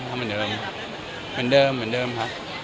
เหมือนเดิมเหมือนเดิมครับ